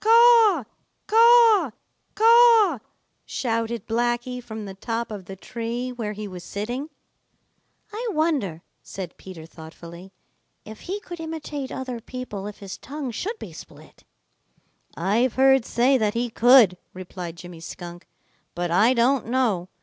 "Caw, caw, caw!" shouted Blacky from the top of the tree where he was sitting. "I wonder," said Peter Rabbit thoughtfully, "if he could imitate other people if his tongue should be split." "I've heard say that he could," replied Jimmy Skunk, "but I don't know.